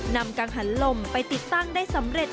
กังหันลมไปติดตั้งได้สำเร็จ